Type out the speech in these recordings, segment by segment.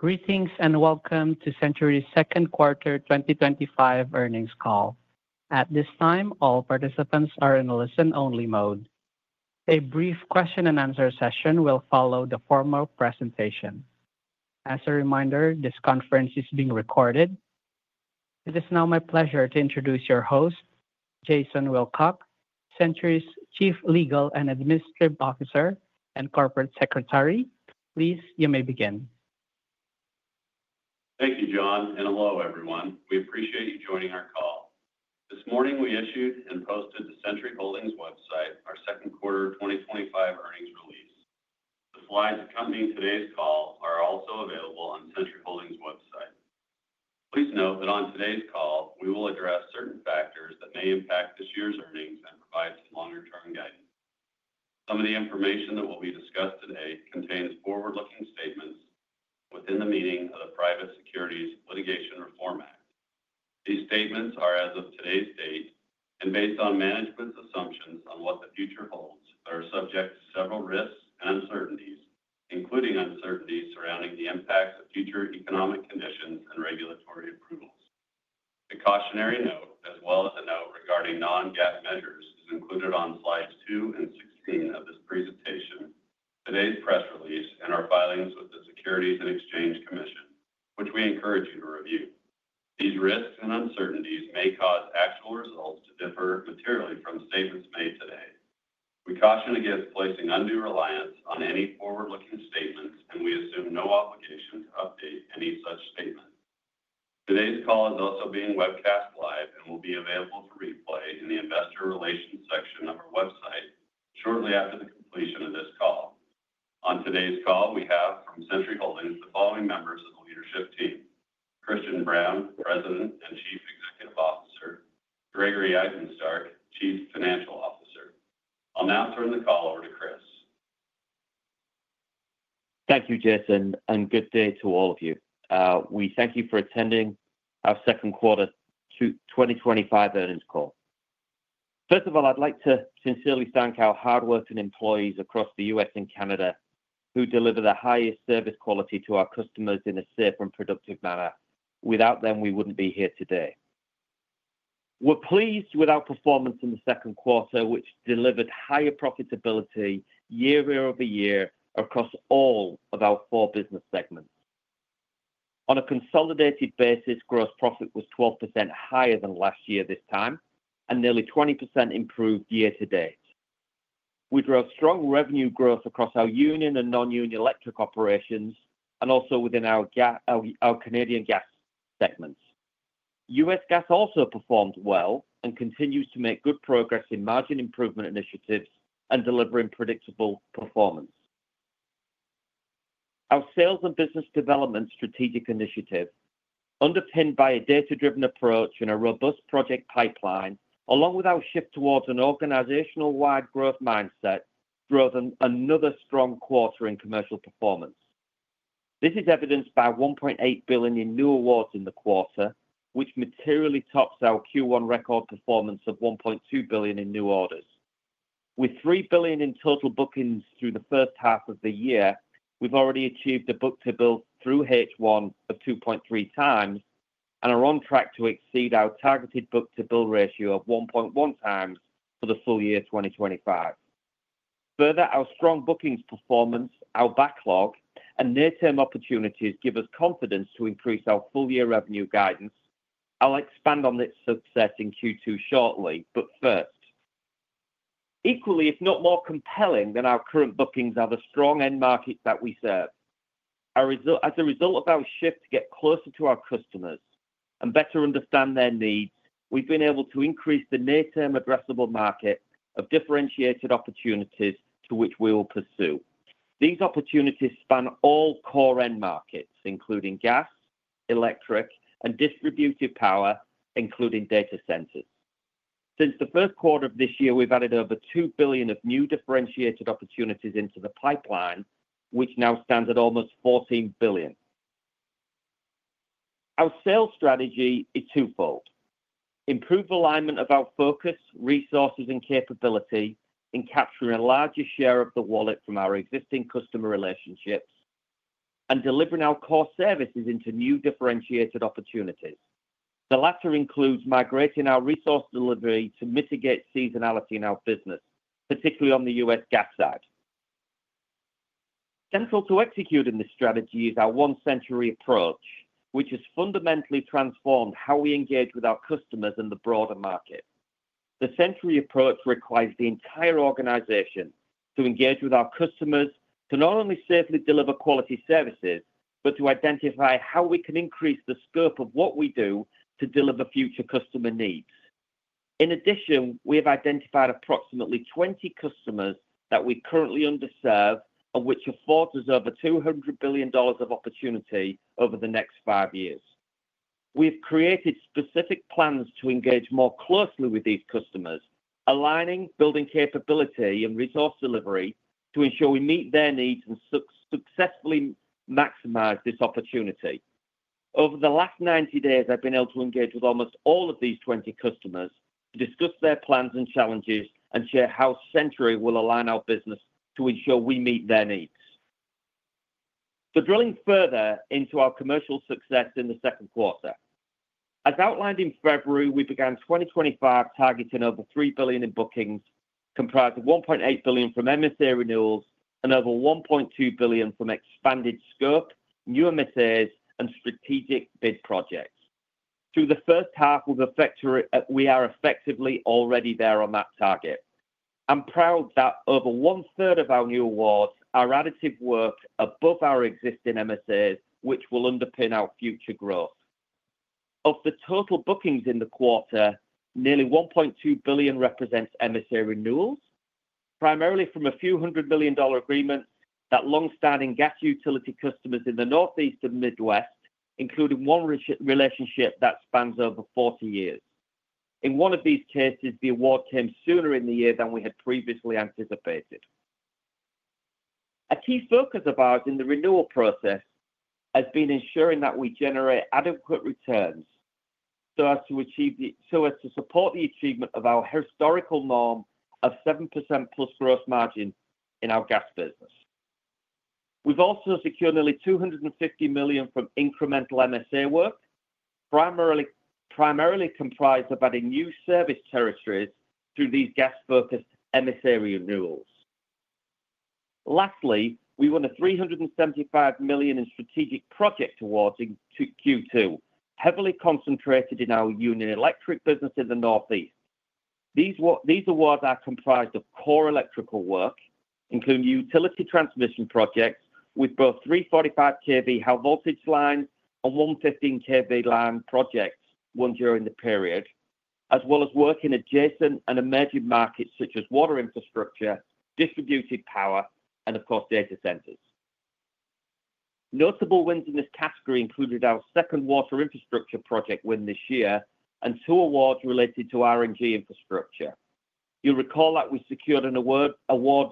Greetings and welcome to Centuri's Second Quarter 2025 Earnings Call. At this time, all participants are in listen-only mode. A brief question and answer session will follow the formal presentation. As a reminder, this conference is being recorded. It is now my pleasure to introduce your host, Jason Wilcock, Centuri's Chief Legal and Administrative Officer and Corporate Secretary. Please, you may begin. Thank you, John, and hello, everyone. We appreciate you joining our call. This morning, we issued and posted to Centuri Holdings website our second quarter 2025 earnings release. The slides accompanying today's call are also available on Centuri Holdings website. Please note that on today's call, we will address certain factors that may impact this year's earnings and provide some longer-term guidance. Some of the information that will be discussed today contains forward-looking statements within the meaning of the Private Securities Litigation Reform Act. These statements are as of today's date and based on management's assumptions on what the future holds, but are subject to several risks and uncertainties, including uncertainties surrounding the impacts of future economic conditions and regulatory approvals. A cautionary note, as well as a note regarding non-GAAP measures, is included on slides 2 and 16 of this presentation, today's press release, and our filings with the Securities and Exchange Commission, which we encourage you to review. These risks and uncertainties may cause actual results to differ materially from statements made today. We caution against placing undue reliance on any forward-looking statements, and we assume no obligation to update any such statements. Today's call is also being webcast live and will be available for replay in the investor relations section of our website shortly after the completion of this call. On today's call, we have from Centuri Holdings the following members of the leadership team: Christian Brown, President and Chief Executive Officer; Gregory Izenstark, Chief Financial Officer. I'll now turn the call over to Chris. Thank you, Jason, and good day to all of you. We thank you for attending our second quarter 2025 earnings call. First of all, I'd like to sincerely thank our hardworking employees across the U.S. and Canada who deliver the highest service quality to our customers in a safe and productive manner. Without them, we wouldn't be here today. We're pleased with our performance in the second quarter, which delivered higher profitability year-over-year across all of our four business segments. On a consolidated basis, gross profit was 12% higher than last year this time, and nearly 20% improved year to date. We drove strong revenue growth across our union and non-union electric operations, and also within our Canadian gas segments. U.S. gas also performed well and continues to make good progress in margin improvement initiatives and delivering predictable performance. Our sales and business development strategic initiative, underpinned by a data-driven approach and a robust project pipeline, along with our shift towards an organizational-wide growth mindset, drove another strong quarter in commercial performance. This is evidenced by $1.8 billion in new awards in the quarter, which materially tops our Q1 record performance of $1.2 billion in new orders. With $3 billion in total bookings through the first half of the year, we've already achieved a book-to-build through H1 of 2.3 times and are on track to exceed our targeted book-to-build ratio of 1.1 times for the full year 2025. Further, our strong bookings performance, our backlog, and near-term opportunities give us confidence to increase our full-year revenue guidance. I'll expand on this subset in Q2 shortly, but first. Equally, if not more compelling than our current bookings, are the strong end markets that we serve. As a result of our shift to get closer to our customers and better understand their needs, we've been able to increase the near-term addressable market of differentiated opportunities for which we will pursue. These opportunities span all core end markets, including gas, electric, and distributed power, including data centers. Since the first quarter of this year, we've added over $2 billion of new differentiated opportunities into the pipeline, which now stands at almost $14 billion. Our sales strategy is twofold: improved alignment of our focus, resources, and capability in capturing a larger share of the wallet from our existing customer relationships and delivering our core services into new differentiated opportunities. The latter includes migrating our resource delivery to mitigate seasonality in our business, particularly on the U.S. gas side. Central to executing this strategy is our One Centuri approach, which has fundamentally transformed how we engage with our customers in the broader market. The Centuri approach requires the entire organization to engage with our customers to not only safely deliver quality services, but to identify how we can increase the scope of what we do to deliver future customer needs. In addition, we have identified approximately 20 customers that we currently underserve, and which afford us over $200 billion of opportunity over the next five years. We've created specific plans to engage more closely with these customers, aligning building capability and resource delivery to ensure we meet their needs and successfully maximize this opportunity. Over the last 90 days, I've been able to engage with almost all of these 20 customers to discuss their plans and challenges and share how Centuri will align our business to ensure we meet their needs. Drilling further into our commercial success in the second quarter, as outlined in February, we began 2025 targeting over $3 billion in bookings, comprised of $1.8 billion from MSA renewals and over $1.2 billion from expanded scope, new MSAs, and strategic bid projects. Through the first half, we are effectively already there on that target. I'm proud that over one-third of our new awards are additive work above our existing MSAs, which will underpin our future growth. Of the total bookings in the quarter, nearly $1.2 billion represent MSA renewals, primarily from a few hundred million dollar agreements with long-standing gas utility customers in the Northeast and Midwest, including one relationship that spans over 40 years. In one of these cases, the award came sooner in the year than we had previously anticipated. A key focus of ours in the renewal process has been ensuring that we generate adequate returns so as to support the achievement of our historical norm of 7%+ gross margin in our gas business. We've also secured nearly $250 million from incremental MSA work, primarily comprised of adding new service territories through these gas-focused MSA renewals. Lastly, we won $375 million in strategic project awards in Q2, heavily concentrated in our union electric segment in the Northeast. These awards are comprised of core electrical work, including utility transmission projects with both 345 kV high voltage lines and 115 kV line projects won during the period, as well as work in adjacent and emerging markets such as water infrastructure, distributed power, and, of course, data centers. Notable wins in this category included our second water infrastructure project win this year and two awards related to R&D infrastructure. You'll recall that we secured an award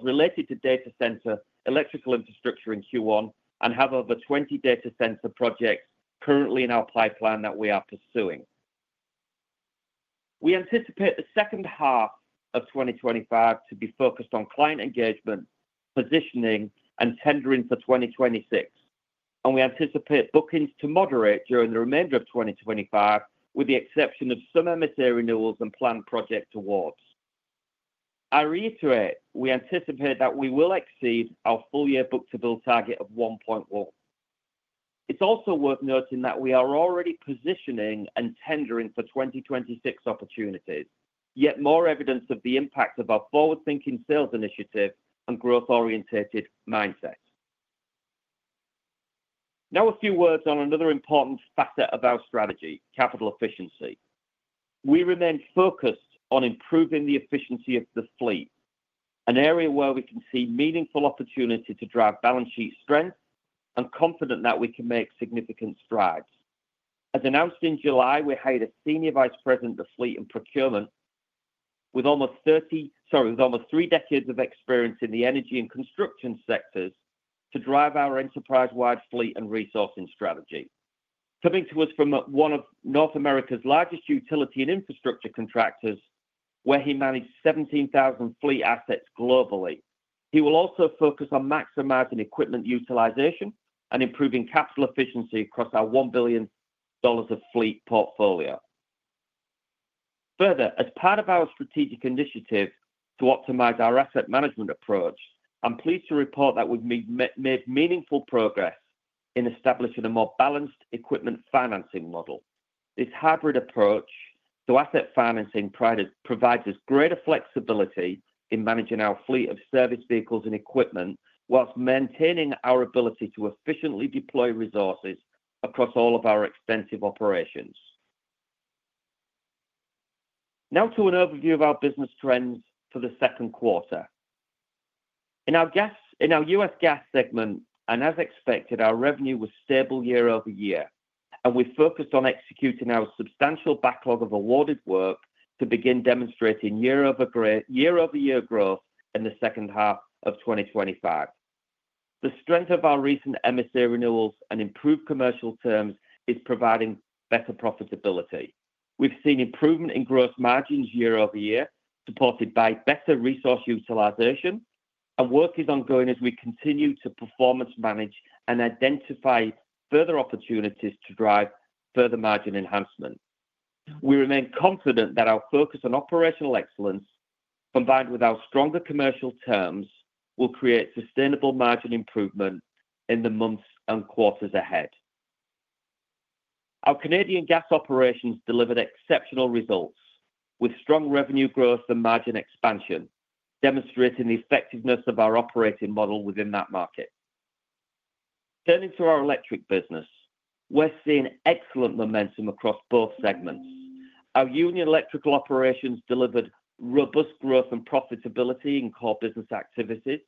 related to data center electrical infrastructure in Q1 and have over 20 data center projects currently in our pipeline that we are pursuing. We anticipate the second half of 2025 to be focused on client engagement, positioning, and tendering for 2026. We anticipate bookings to moderate during the remainder of 2025, with the exception of some MSA renewals and planned project awards. I reiterate, we anticipate that we will exceed our full-year book-to-build target of 1.1. It's also worth noting that we are already positioning and tendering for 2026 opportunities, yet more evidence of the impact of our forward-thinking sales initiative and growth-oriented mindset. Now a few words on another important facet of our strategy: capital efficiency. We remain focused on improving the efficiency of the fleet, an area where we can see meaningful opportunity to drive balance sheet strength and are confident that we can make significant strides. As announced in July, we hired a Senior Vice President of Fleet and Procurement with almost three decades of experience in the energy and construction sectors to drive our enterprise-wide fleet and resourcing strategy. Coming to us from one of North America's largest utility infrastructure contractors, where he managed 17,000 fleet assets globally, he will also focus on maximizing equipment utilization and improving capital efficiency across our $1 billion fleet portfolio. Further, as part of our strategic initiative to optimize our asset management approach, I'm pleased to report that we've made meaningful progress in establishing a more balanced equipment financing model. This hybrid approach to asset financing provides us greater flexibility in managing our fleet of service vehicles and equipment, while maintaining our ability to efficiently deploy resources across all of our extensive operations. Now to an overview of our business trends for the second quarter. In our U.S. gas segment, and as expected, our revenue was stable year-over-year, and we focused on executing our substantial backlog of awarded work to begin demonstrating year-over-year growth in the second half of 2025. The strength of our recent MSA renewals and improved commercial terms is providing better profitability. We've seen improvement in gross margins year-over-year, supported by better resource utilization, and work is ongoing as we continue to performance manage and identify further opportunities to drive further margin enhancement. We remain confident that our focus on operational excellence, combined with our stronger commercial terms, will create sustainable margin improvement in the months and quarters ahead. Our Canadian gas operations delivered exceptional results with strong revenue growth and margin expansion, demonstrating the effectiveness of our operating model within that market. Turning to our electric business, we're seeing excellent momentum across both segments. Our union electric operations delivered robust growth and profitability in core business activities,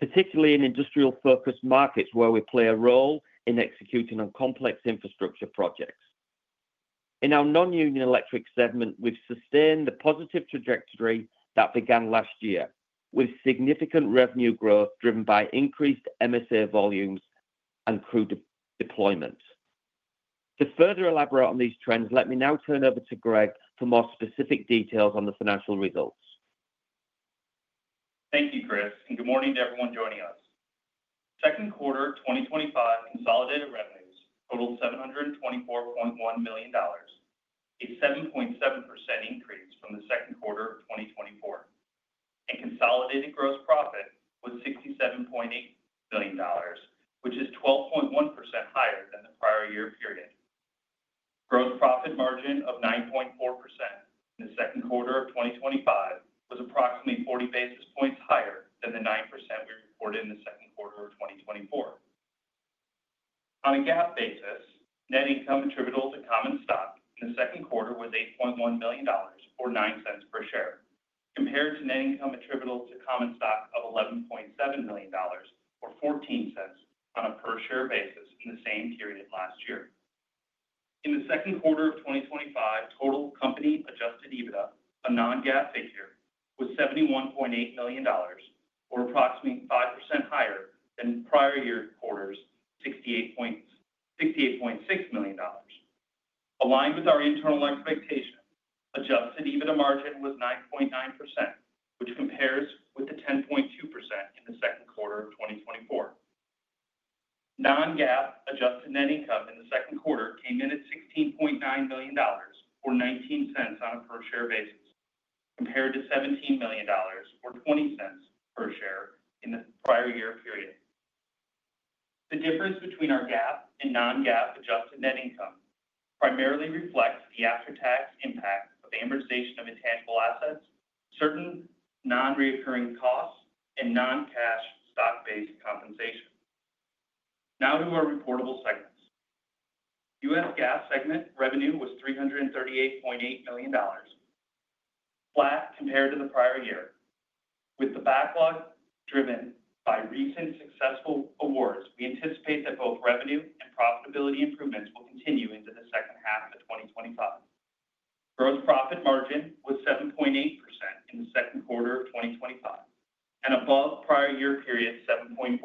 particularly in industrial-focused markets where we play a role in executing on complex infrastructure projects. In our non-union electric segment, we've sustained the positive trajectory that began last year with significant revenue growth driven by increased MSA volumes and crew deployment. To further elaborate on these trends, let me now turn over to Gregory Izenstark for more specific details on the financial results. Thank you, Chris, and good morning to everyone joining us. Second quarter 2025 consolidated revenues total $724.1 million, a 7.7% increase from the second quarter of 2024. Consolidated gross profit was $67.8 million, which is 12.1% higher than the prior year period. 2025 and above prior year period 7.4%.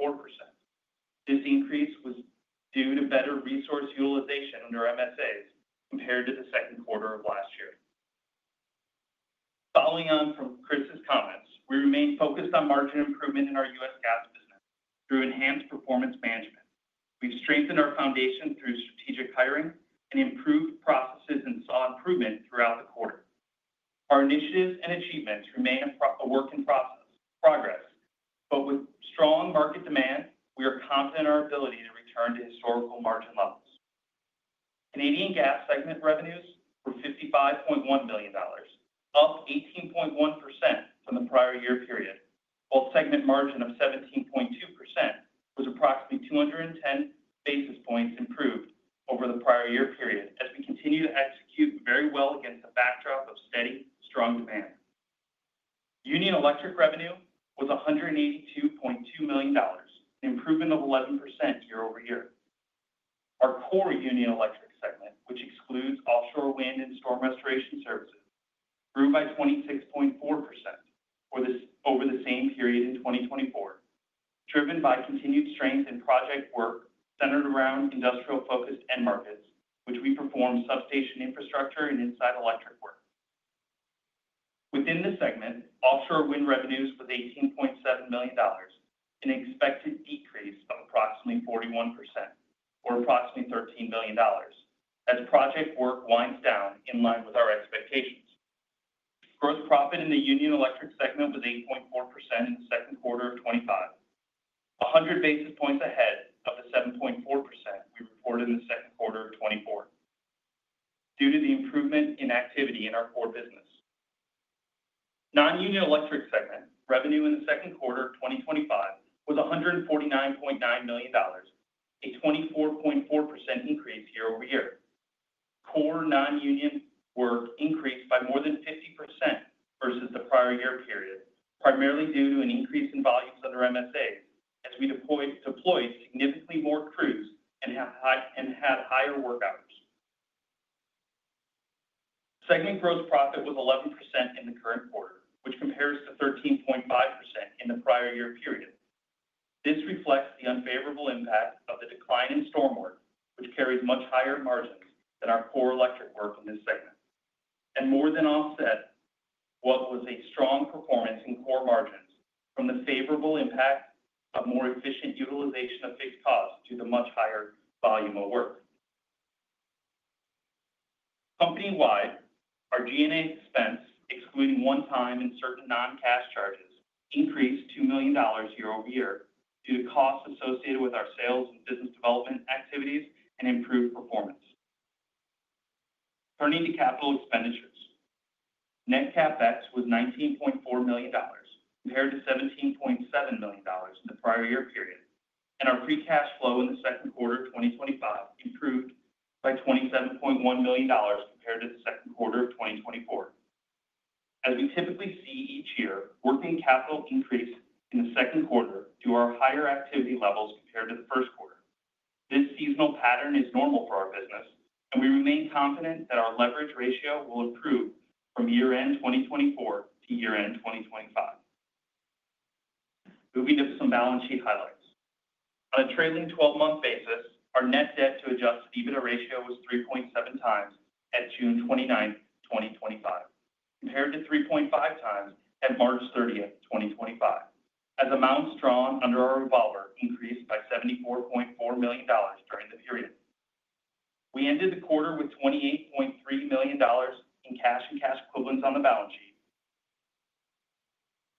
This increase was due to better resource utilization under MSAs compared to the second quarter of last year. Following on from Chris's comments, we remain focused on margin improvement in our U.S. gas business through enhanced performance management. We have strengthened our foundation through strategic hiring and improved processes and saw improvement throughout the quarter. Our initiatives and achievements remain a work in progress, but with strong market demand, we are confident in our ability to return to historical margin levels. Canadian gas segment revenues were $55.1 million, up 18.1% from the prior year period. While segment margin of 17.2% was approximately 210 basis points improved over the prior year period, as we continue to execute very well against a backdrop of steady, strong demand. Union electric revenue was $182.2 million, an improvement of 11% year-over-year. Our core union electric segment, which excludes offshore wind and storm restoration services, grew by 26.4% over the same period in 2024, driven by continued strength in project work centered around industrial-focused end markets, which we perform substation infrastructure and inside electric work. Within the segment, offshore wind revenues were $18.7 million, an expected decrease of approximately 41% or approximately $13 million, and the project work winds down in line with our expectations. Gross profit in the union electric segment was 8.4% in the second quarter of 2025, 100 basis points ahead of the 7.4% we reported in the second quarter of 2024 due to the improvement in activity in our core business. Non-union electric segment revenue in the second quarter of 2025 was $149.9 million, a 24.4% increase year-over-year. Core non-union work increased by more than 50% versus the prior year period, primarily due to an increase in volumes under MSAs, as we deployed significantly more crews and had higher work hours. Segment gross profit was 11% in the current quarter, which compares to 13.5% in the prior year period. This reflects the unfavorable impact of the decline in storm work, which carries much higher margins than our core electric work in this segment, and more than offsets what was a strong performance in core margins from the favorable impact of more efficient utilization of fixed costs due to the much higher volume of work. Company-wide, our G&A expense, excluding one-time and certain non-cash charges, increased $2 million year-over-year due to costs associated with our sales and business development activities and improved performance. Turning to capital expenditures, net CapEx was $19.4 million compared to $17.7 million in the prior year period, and our free cash flow in the second quarter of 2025 improved by $27.1 million compared to the second quarter of 2024. As we typically see each year, working capital increased in the second quarter due to our higher activity levels compared to the first quarter. This seasonal pattern is normal for our business, and we remain confident that our leverage ratio will improve from year-end 2024 to year-end 2025. Moving to some balance sheet highlights. On a trailing 12-month basis, our net debt to Adjusted EBITDA ratio was 3.7 times at June 29, 2025, compared to 3.5 times at March 30, 2025, as amounts drawn under our revolver increased by $74.4 million during the period. We ended the quarter with $28.3 million in cash and cash equivalents on the balance sheet.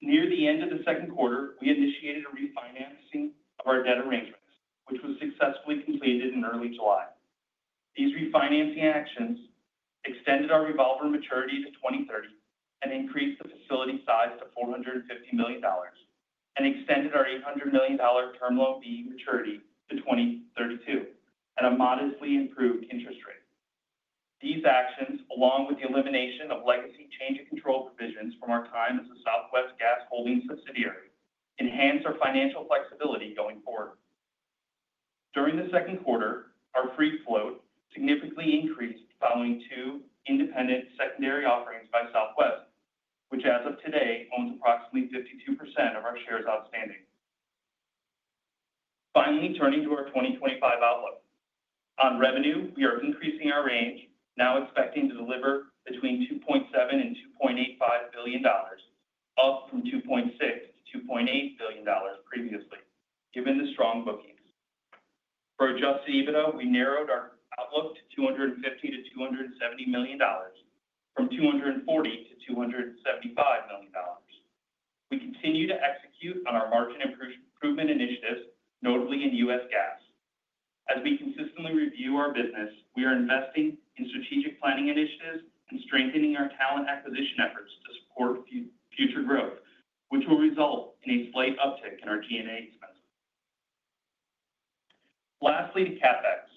Near the end of the second quarter, we initiated a refinancing of our debt arrangements, which was successfully completed in early July. These refinancing actions extended our revolver maturity to 2030 and increased the facility size to $450 million and extended our $800 million term loan maturity to 2032 at a modestly improved interest rate. These actions, along with the elimination of legacy change in control provisions from our time as a Southwest Gas Holdings subsidiary, enhance our financial flexibility going forward. During the second quarter, our free float significantly increased following two independent secondary offerings by Southwest Gas Holdings as of today owns approximately 52% of our shares outstanding. Finally, turning to our 2025 outlook. On revenue, we are increasing our range, now expecting to deliver between $2.7 and $2.85 billion, up from $2.6 to $2.8 billion previously, given the strong bookings. For Adjusted EBITDA, we narrowed our outlook to $250 to $270 million from $240 to $275 million. We continue to execute on our margin improvement initiatives, notably in U.S. gas. As we consistently review our business, we are investing in strategic planning initiatives and strengthening our talent acquisition efforts to support future growth, which will result in employee uptake in our G&A expense. Lastly, to CapEx,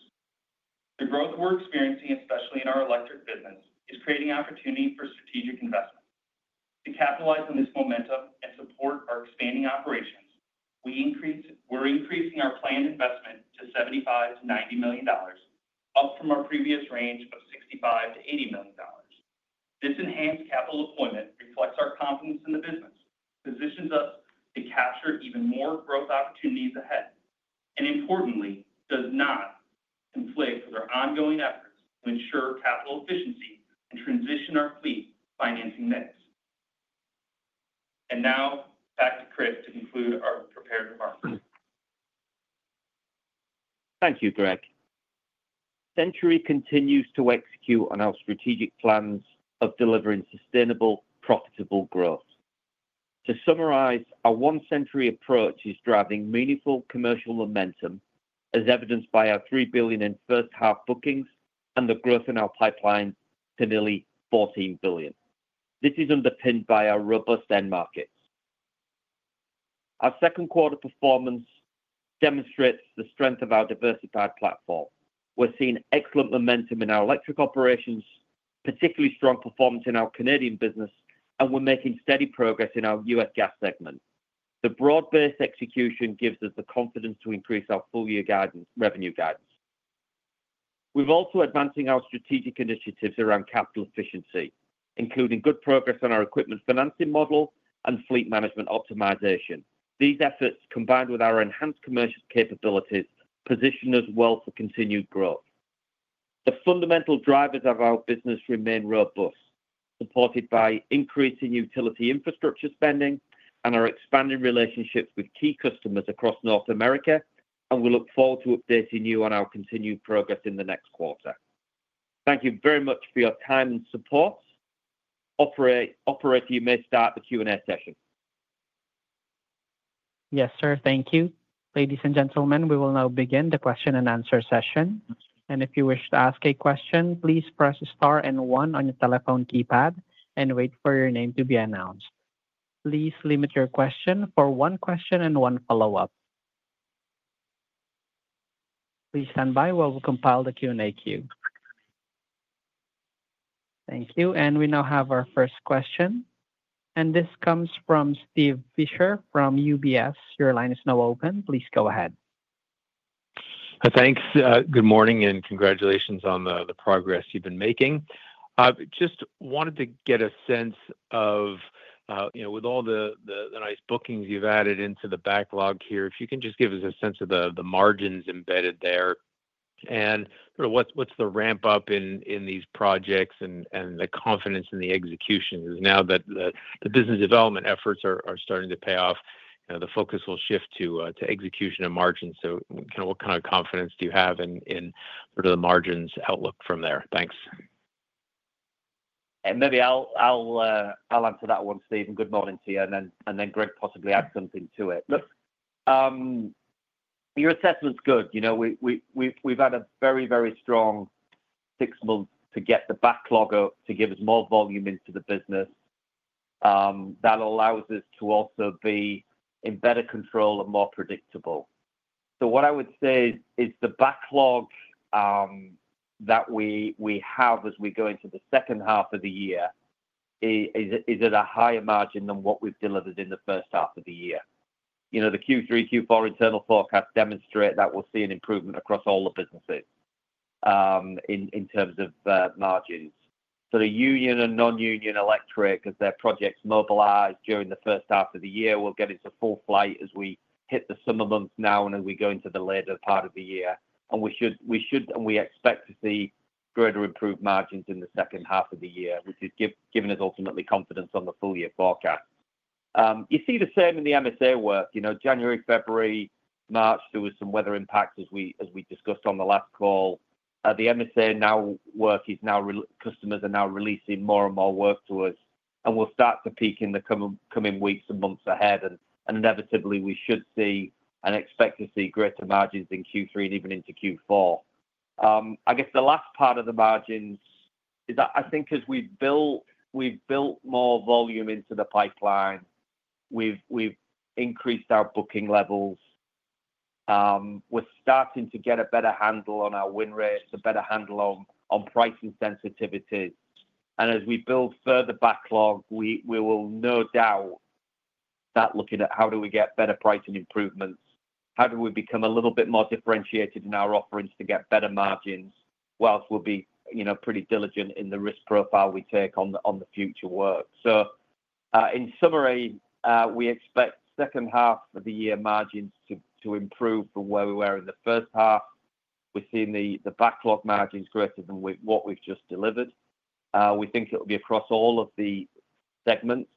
the growth we're experiencing, especially in our electric business, is creating opportunity for strategic investment. To capitalize on this momentum and support our expanding operations, we're increasing our planned investment to $75 to $90 million, up from our previous range of $65 to $80 million. This enhanced capital deployment reflects our confidence in the business, positions us to capture even more growth opportunities ahead, and importantly, does not conflate with our ongoing efforts to ensure capital efficiency and transition our fleet financing mix. Now back to Chris to conclude our prepared remarks. Thank you, Greg. Centuri continues to execute on our strategic plans of delivering sustainable, profitable growth. To summarize, our one-Centuri approach is driving meaningful commercial momentum, as evidenced by our $3 billion in first half bookings and the growth in our pipeline to nearly $14 billion. This is underpinned by our robust end markets. Our second quarter performance demonstrates the strength of our diversified platform. We're seeing excellent momentum in our electric operations, particularly strong performance in our Canadian business, and we're making steady progress in our U.S. gas segment. The broad-based execution gives us the confidence to increase our full-year revenue guidance. We're also advancing our strategic initiatives around capital efficiency, including good progress on our equipment financing model and fleet management optimization. These efforts, combined with our enhanced commercial capabilities, position us well for continued growth. The fundamental drivers of our business remain robust, supported by increasing utility infrastructure spending and our expanding relationships with key customers across North America, and we look forward to updating you on our continued progress in the next quarter. Thank you very much for your time and support. Operator, you may start the Q&A session. Yes, sir. Thank you. Ladies and gentlemen, we will now begin the question and answer session. If you wish to ask a question, please press star and one on your telephone keypad and wait for your name to be announced. Please limit your question to one question and one follow-up. Please stand by while we compile the Q&A queue. Thank you. We now have our first question. This comes from Steven Fisher from UBS. Your line is now open. Please go ahead. Thanks. Good morning and congratulations on the progress you've been making. I just wanted to get a sense of, you know, with all the nice bookings you've added into the backlog here, if you can just give us a sense of the margins embedded there and sort of what's the ramp-up in these projects and the confidence in the execution? Because now that the business development efforts are starting to pay off, the focus will shift to execution and margins. What kind of confidence do you have in sort of the margins outlook from there? Thanks. Maybe I'll answer that one, Steve. Good morning to you. Greg, possibly add something to it. Your assessment's good. We've had a very, very strong six months to get the backlog up to give us more volume into the business. That allows us to also be in better control and more predictable. What I would say is the backlog that we have as we go into the second half of the year is at a higher margin than what we've delivered in the first half of the year. The Q3, Q4 internal forecasts demonstrate that we'll see an improvement across all the businesses in terms of margins. The union and non-union electric, as their projects mobilize during the first half of the year, will get into full flight as we hit the summer months now and as we go into the later part of the year. We should, and we expect to see greater improved margins in the second half of the year, which has given us ultimately confidence on the full-year forecast. You see the same in the MSA work. January, February, March, there were some weather impacts, as we discussed on the last call. The MSA work is now, customers are now releasing more and more work to us. We'll start to peak in the coming weeks and months ahead. Inevitably, we should see and expect to see greater margins in Q3 and even into Q4. The last part of the margins is that I think as we've built, we've built more volume into the pipeline, we've increased our booking levels. We're starting to get a better handle on our win rates, a better handle on pricing sensitivity. As we build further backlog, we will no doubt start looking at how do we get better pricing improvements, how do we become a little bit more differentiated in our offerings to get better margins, whilst we'll be pretty diligent in the risk profile we take on the future work. In summary, we expect the second half of the year margins to improve from where we were in the first half. We've seen the backlog margins greater than what we've just delivered. We think it'll be across all of the segments.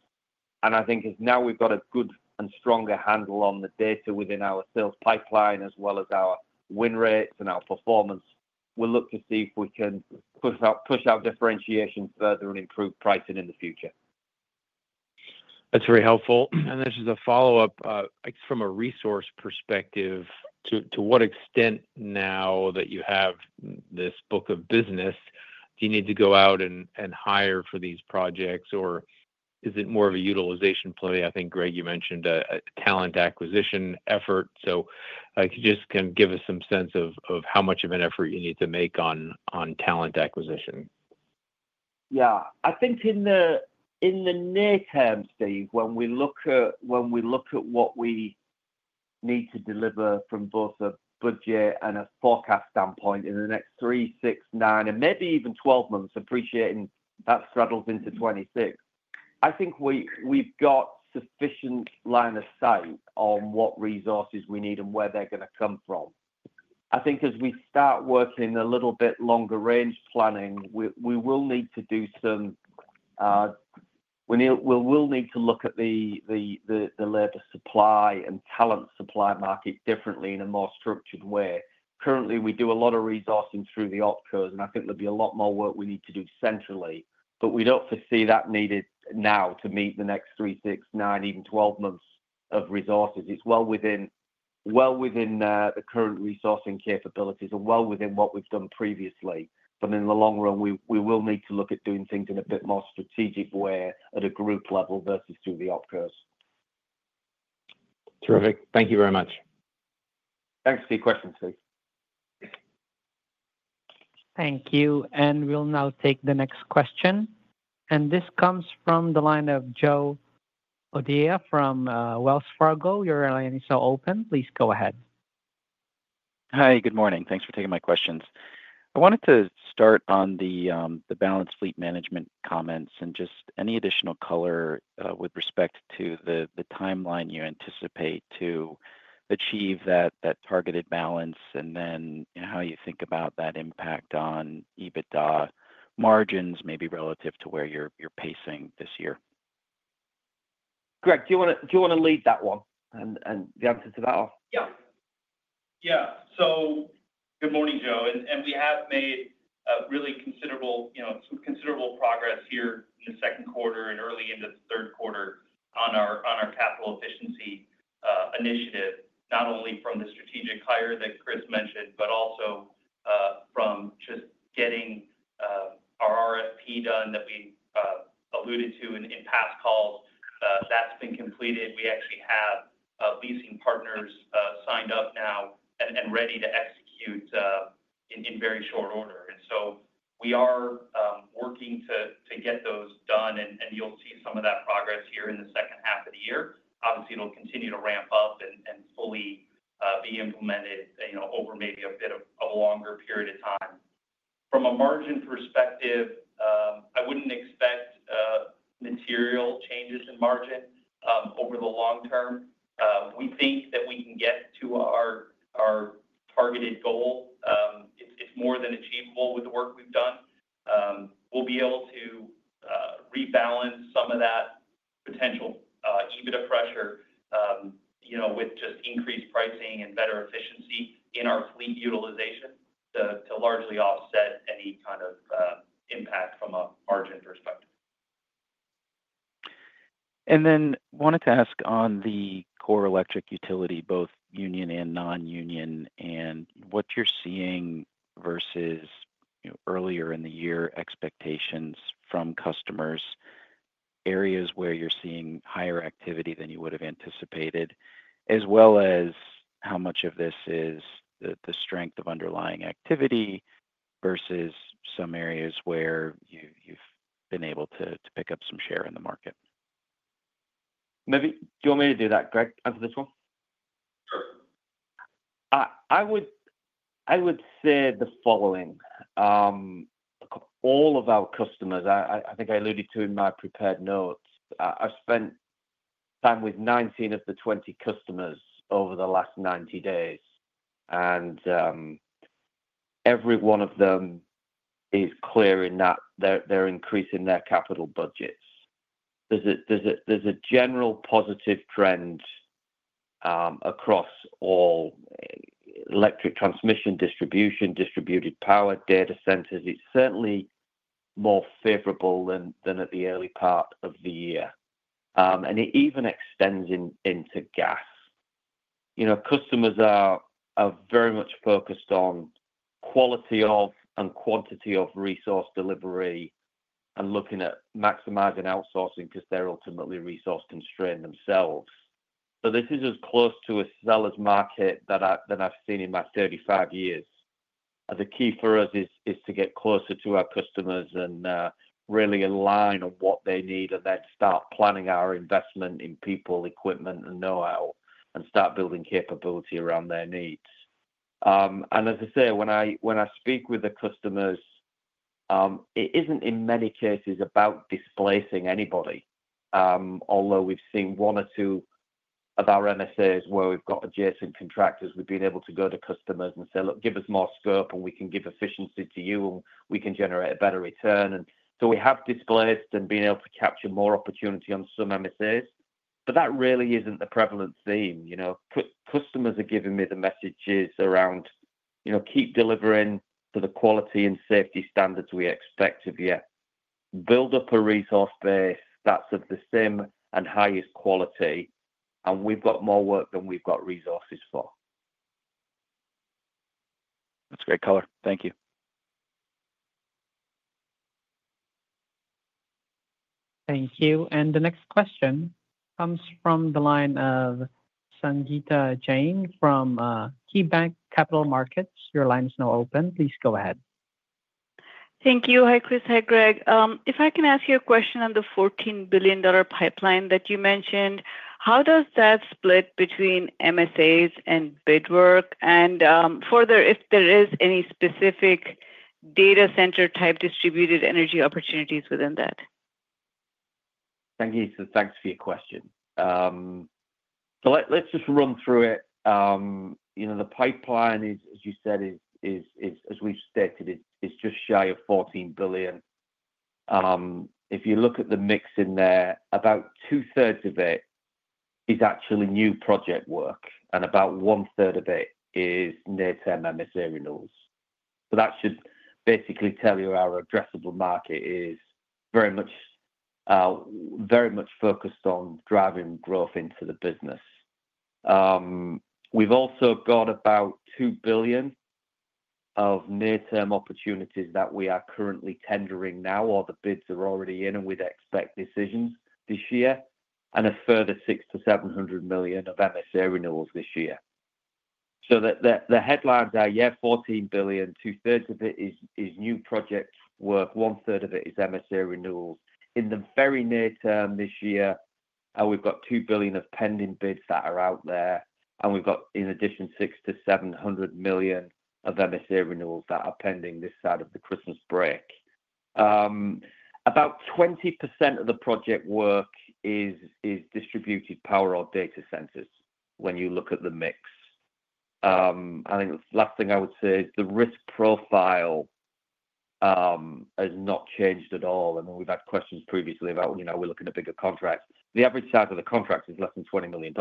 I think as now we've got a good and stronger handle on the data within our sales pipeline, as well as our win rates and our performance, we'll look to see if we can push our differentiation further and improve pricing in the future. That's very helpful. This is a follow-up, I guess, from a resource perspective. To what extent now that you have this book of business do you need to go out and hire for these projects, or is it more of a utilization play? I think, Greg, you mentioned a talent acquisition effort. Could you just kind of give us some sense of how much of an effort you need to make on talent acquisition? Yeah, I think in the near term, Steve, when we look at what we need to deliver from both a budget and a forecast standpoint in the next 3, 6, 9, and maybe even 12 months, appreciating that straddles into 2026, I think we've got sufficient line of sight on what resources we need and where they're going to come from. I think as we start working a little bit longer-range planning, we will need to look at the labor supply and talent supply market differently in a more structured way. Currently, we do a lot of resourcing through the opcos, and I think there'll be a lot more work we need to do centrally, but we don't foresee that needed now to meet the next 3, 6, 9, even 12 months of resources. It's well within the current resourcing capabilities and well within what we've done previously. In the long run, we will need to look at doing things in a bit more strategic way at a group level versus through the opcos. Terrific. Thank you very much. Thanks for your question, Steven. Thank you. We'll now take the next question. This comes from the line of Joe O'Dea from Wells Fargo. Your line is now open. Please go ahead. Hi, good morning. Thanks for taking my questions. I wanted to start on the balanced fleet management comments and just any additional color with respect to the timeline you anticipate to achieve that targeted balance, and then how you think about that impact on EBITDA margins, maybe relative to where you're pacing this year. Greg, do you want to lead that one and the answer to that one? Yeah. Good morning, Joe. We have made really considerable progress here in the second quarter and early into the third quarter on our capital efficiency initiative, not only from the strategic hire that Chris mentioned, but also from just getting our RFP done that we alluded to in past calls. That's been completed. We actually have leasing partners signed up now and ready to execute in very short order. We are working to get those done, and you'll see some of that progress here in the second half of the year. Obviously, it'll continue to ramp up and fully be implemented over maybe a bit of a longer period of time. From a margin perspective, I wouldn't expect material changes in margin over the long term. We think that we can get to our targeted goal. It's more than achievable with the work we've done. We'll be able to rebalance some of that potential EBITDA pressure with just increased pricing and better efficiency in our fleet utilization to largely offset any kind of impact from a margin perspective. I wanted to ask on the core electric utility, both union and non-union, and what you're seeing versus earlier in the year expectations from customers, areas where you're seeing higher activity than you would have anticipated, as well as how much of this is the strength of underlying activity versus some areas where you've been able to pick up some share in the market. Do you want me to do that, Greg, as this one? I would say the following. All of our customers, I think I alluded to in my prepared notes, I've spent time with 19 of the 20 customers over the last 90 days, and every one of them is clear in that they're increasing their capital budgets. There's a general positive trend across all electric transmission, distribution, distributed power, data centers. It's certainly more favorable than at the early part of the year. It even extends into gas. Customers are very much focused on quality of and quantity of resource delivery and looking at maximizing outsourcing because they're ultimately resource-constrained themselves. This is as close to a seller's market than I've seen in my 35 years. The key for us is to get closer to our customers and really align on what they need and then start planning our investment in people, equipment, and know-how and start building capability around their needs. When I speak with the customers, it isn't in many cases about displacing anybody. Although we've seen one or two of our MSAs where we've got adjacent contractors, we've been able to go to customers and say, "Look, give us more scope and we can give efficiency to you and we can generate a better return." We have displaced and been able to capture more opportunity on some MSA, but that really isn't the prevalent theme. Customers are giving me the messages around, you know, keep delivering to the quality and safety standards we expect of you. Build up a resource base that's at the same and highest quality, and we've got more work than we've got resources for. That's great color. Thank you. Thank you. The next question comes from the line of Sangita Jain from KeyBanc Capital Markets. Your line is now open. Please go ahead. Thank you. Hi, Chris. Hi, Greg. If I can ask you a question on the $14 billion pipeline that you mentioned, how does that split between MSAs and bid work? Further, if there is any specific data center-type distributed energy opportunities within that? Sangita, thanks for your question. Let's just run through it. You know, the pipeline is, as you said, as we've stated, it's just shy of $14 billion. If you look at the mix in there, about two-thirds of it is actually new project work, and about one-third of it is near-term MSA renewals. That should basically tell you our addressable market is very much focused on driving growth into the business. We've also got about $2 billion of near-term opportunities that we are currently tendering now, or the bids are already in and we'd expect decisions this year, and a further $600 to $700 million of MSA renewals this year. The headlines are, $14 billion, two-thirds of it is new project work, one-third of it is MSA renewals. In the very near term this year, we've got $2 billion of pending bids that are out there, and we've got, in addition, $600 to $700 million of MSA renewals that are pending this side of the Christmas break. About 20% of the project work is distributed power or data centers when you look at the mix. I think the last thing I would say is the risk profile has not changed at all. I mean, we've had questions previously about, you know, we're looking at bigger contracts. The average size of the contract is less than $20 million.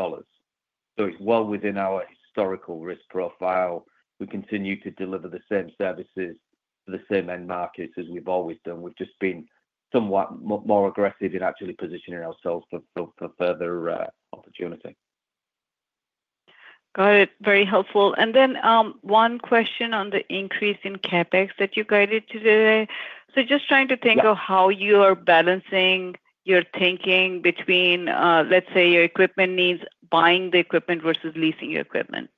It's well within our historical risk profile. We continue to deliver the same services to the same end markets as we've always done. We've just been somewhat more aggressive in actually positioning ourselves for further opportunity. Got it. Very helpful. One question on the increase in CapEx that you guided to today. Just trying to think of how you are balancing your thinking between, let's say, your equipment needs, buying the equipment versus leasing your equipment.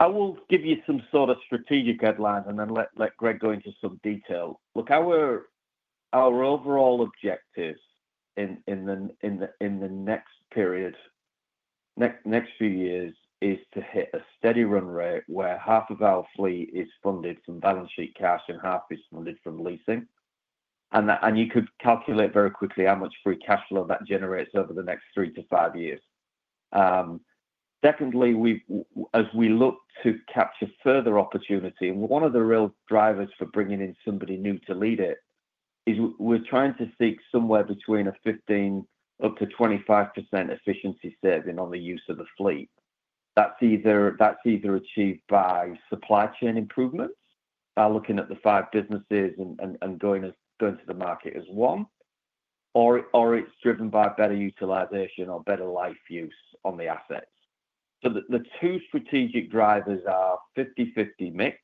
I will give you some sort of strategic headlines and then let Greg go into some detail. Look, our overall objectives in the next period, next few years, is to hit a steady run rate where half of our fleet is funded from balance sheet cash and half is funded from leasing. You could calculate very quickly how much free cash flow that generates over the next three to five years. Secondly, as we look to capture further opportunity, and one of the real drivers for bringing in somebody new to lead it is we're trying to seek somewhere between a 15% up to 25% efficiency saving on the use of the fleet. That's either achieved by supply chain improvements, by looking at the five businesses and going to the market as one, or it's driven by better utilization or better life use on the assets. The two strategic drivers are 50/50 mix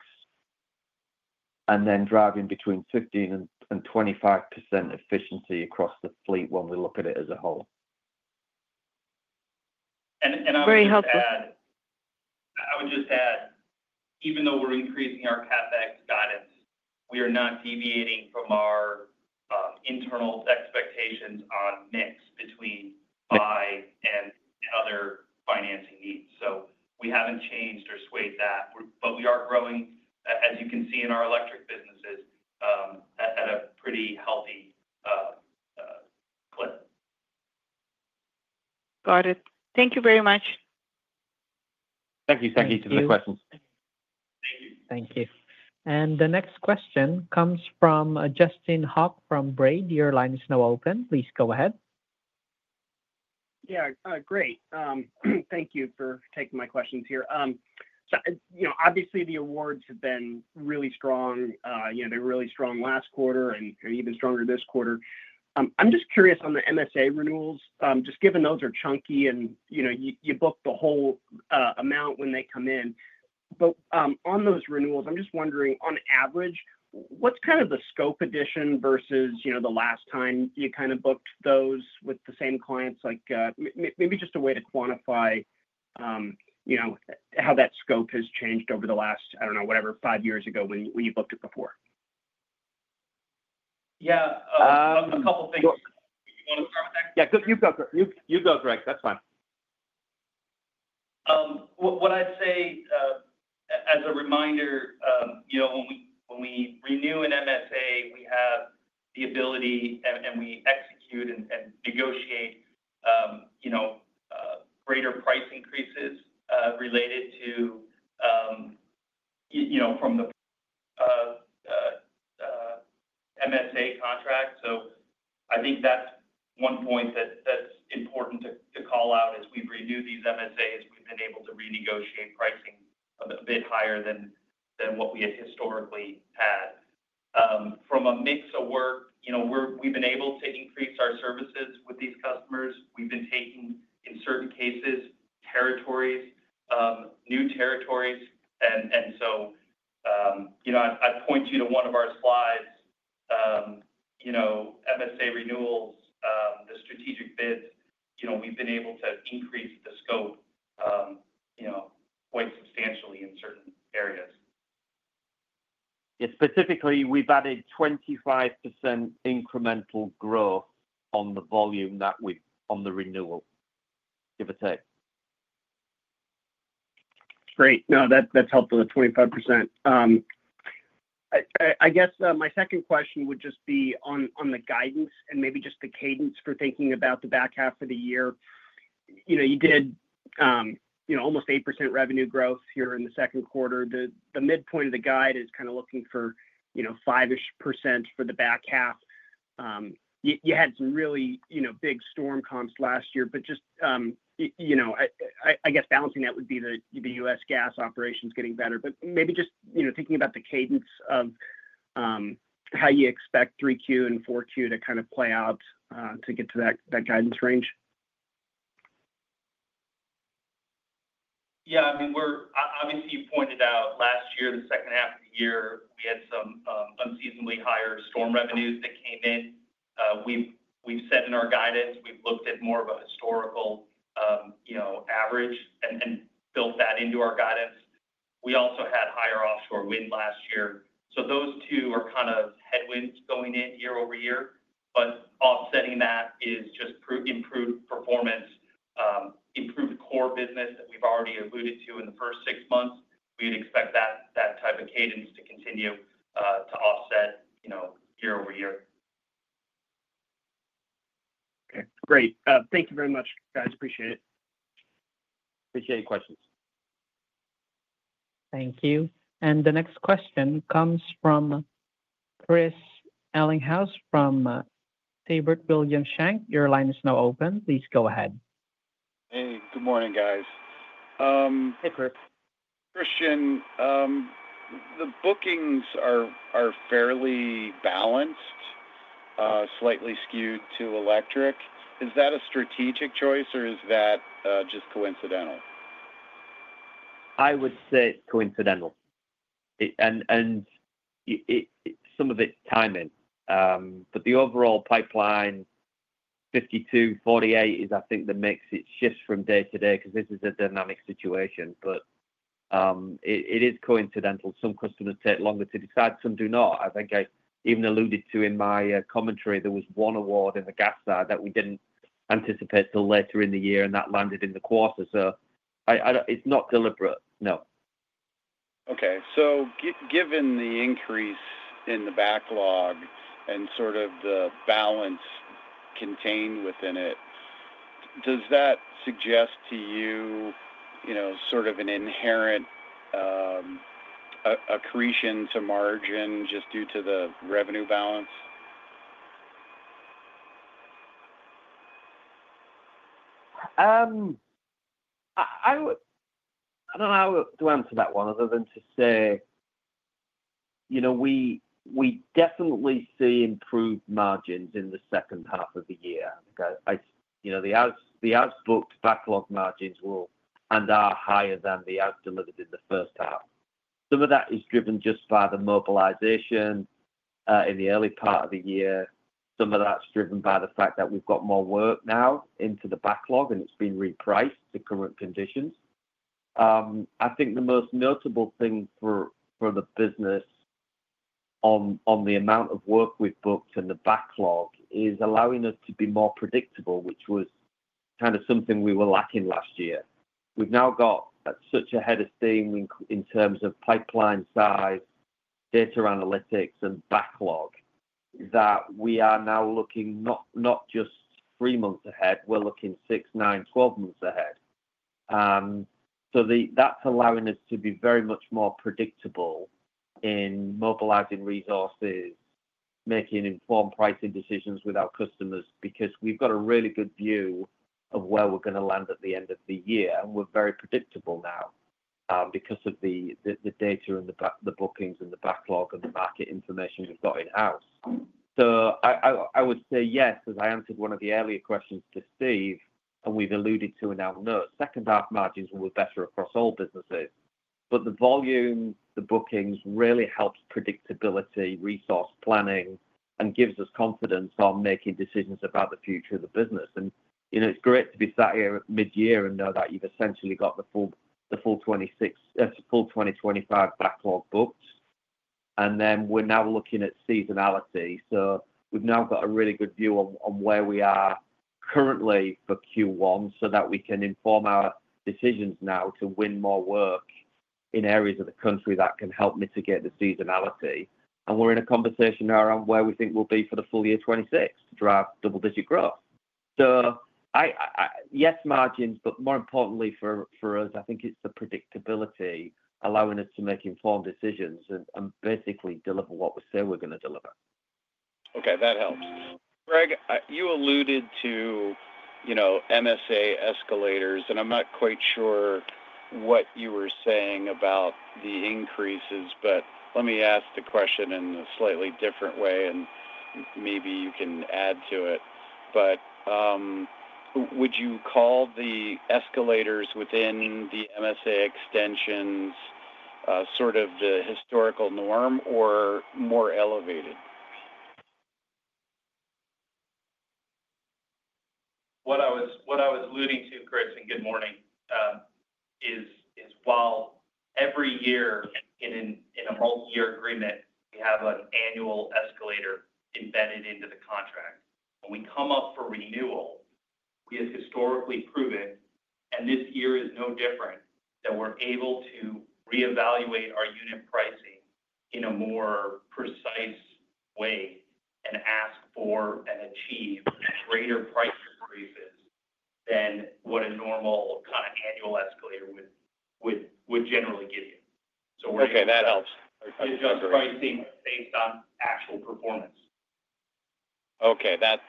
and then driving between 15% and 25% efficiency across the fleet when we look at it as a whole. I would just add. Very helpful. I would just add, even though we're increasing our CapEx guidance, we are not deviating from our internal expectations on mix between buy and other financing needs. We haven't changed or swayed that, but we are growing, as you can see in our electric businesses, at a pretty helpful. Got it. Thank you very much. Thank you. Thank you for the questions. Thank you. The next question comes from Justin Hauke from Baird. Your line is now open. Please go ahead. Great. Thank you for taking my questions here. Obviously, the awards have been really strong. They were really strong last quarter and even stronger this quarter. I'm just curious on the MSA renewals, just given those are chunky and you book the whole amount when they come in. On those renewals, I'm just wondering, on average, what's kind of the scope addition versus the last time you kind of booked those with the same clients? Maybe just a way to quantify how that scope has changed over the last, I don't know, whatever, five years ago when you booked it before. I'm a couple of things. Yeah, you go, Greg. That's fine. What I'd say as a reminder, when we renew an MSA, we have the ability and we execute and negotiate greater price increases related to the MSA contract. I think that's one point that's important to call out as we've renewed these MSAs, we've been able to renegotiate pricing a bit higher than what we have historically had. From a mix of work, we've been able to increase our services with these customers. We've been taking, in certain cases, new territories. I'd point you to one of our slides, MSA renewals, the strategic bids. We've been able to increase the scope quite substantially in certain areas. Yeah, specifically, we've added 25% incremental growth on the volume that we, on the renewal, give or take. Great. No, that's helpful, the 25%. I guess my second question would just be on the guidance and maybe just the cadence for thinking about the back half of the year. You did almost 8% revenue growth here in the second quarter. The midpoint of the guide is kind of looking for 5% for the back half. You had some really big storm comps last year, just balancing that would be the U.S. gas operations getting better. Maybe just thinking about the cadence of how you expect 3Q and 4Q to kind of play out to get to that guidance range. Yeah. We're obviously, you pointed out last year, the second half of the year, we had some unseasonably higher storm revenues that came in. We've said in our guidance, we've looked at more of a historical average and built that into our guidance. We also had higher offshore wind last year. Those two are kind of headwinds going in year-over-year. Offsetting that is just improved performance, improved core business that we've already alluded to in the first six months. We'd expect that type of cadence to continue to offset year-over-year. Okay. Great. Thank you very much, guys. Appreciate it. Appreciate your questions. Thank you. The next question comes from Chris Ellinghaus from Siebert Williams Shank. Your line is now open. Please go ahead. Hey, good morning, guys. Hey, Chris. Christian, the bookings are fairly balanced, slightly skewed to electric. Is that a strategic choice, or is that just coincidental? I would say it's coincidental, and some of it's timing. The overall pipeline, 52/48 is, I think, the mix. It shifts from day to day because this is a dynamic situation. It is coincidental. Some customers take longer to decide, some do not. I think I even alluded to in my commentary, there was one award in the gas segment that we didn't anticipate until later in the year, and that landed in the quarter. It's not deliberate, no. Okay. Given the increase in the backlog and sort of the balance contained within it, does that suggest to you, you know, sort of an inherent accretion to margin just due to the revenue balance? I don't know how to answer that one other than to say, you know, we definitely see improved margins in the second half of the year. The as-booked backlog margins will and are higher than the as-delivered in the first half. Some of that is driven just by the mobilization in the early part of the year. Some of that's driven by the fact that we've got more work now into the backlog, and it's been repriced to current conditions. I think the most notable thing for the business on the amount of work we've booked in the backlog is allowing us to be more predictable, which was kind of something we were lacking last year. We've now got such a head of steam in terms of pipeline size, data analytics, and backlog that we are now looking not just 3 months ahead, we're looking 6, 9, 12 months ahead. That's allowing us to be very much more predictable in mobilizing resources, making informed pricing decisions with our customers because we've got a really good view of where we're going to land at the end of the year. We're very predictable now because of the data and the bookings and the backlog and the market information we've got in-house. I would say yes, as I answered one of the earlier questions to Steve, and we've alluded to in our note, second half margins were better across all businesses. The volume, the bookings really helps predictability, resource planning, and gives us confidence on making decisions about the future of the business. You know, it's great to be sat here mid-year and know that you've essentially got the full 2025 backlog booked. We're now looking at seasonality. We've now got a really good view on where we are currently for Q1 so that we can inform our decisions now to win more work in areas of the country that can help mitigate the seasonality. We're in a conversation now around where we think we'll be for the full year 2026, drive double-digit growth. Yes, margins, but more importantly for us, I think it's the predictability allowing us to make informed decisions and basically deliver what we say we're going to deliver. Okay. That helps. Greg, you alluded to, you know, MSA escalators, and I'm not quite sure what you were saying about the increases. Let me ask the question in a slightly different way, and maybe you can add to it. Would you call the escalators within the MSA extensions sort of the historical norm or more elevated? What I was alluding to, Chris, and good morning, is while every year in a multi-year agreement, we have an annual escalator embedded into the contract. When we come up for renewal, we have historically proven, and this year is no different, that we're able to reevaluate our unit pricing in a more precise way and ask for and achieve greater price increases than what a normal kind of annual escalator would generally give you. Okay, that helps. It's just pricing based on actual performance. Okay, that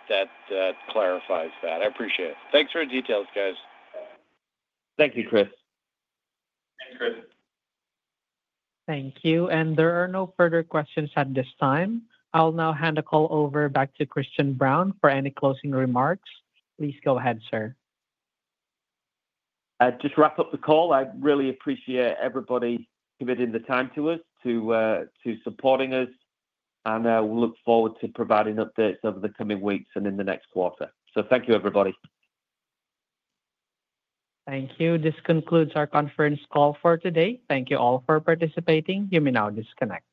clarifies that. I appreciate it. Thanks for the details, guys. Thank you, Christian. Thank you. There are no further questions at this time. I'll now hand the call over back to Christian Brown for any closing remarks. Please go ahead, sir. Just wrap up the call. I really appreciate everybody committing the time to us, to supporting us, and we'll look forward to providing updates over the coming weeks and in the next quarter. Thank you, everybody. Thank you. This concludes our conference call for today. Thank you all for participating. You may now disconnect.